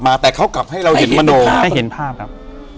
อยู่ที่แม่ศรีวิรัยยิวยลครับ